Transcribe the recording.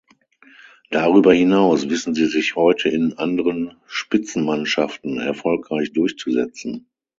Darüber hinaus wissen sie sich heute in anderen Spitzenmannschaften erfolgreich durchzusetzen.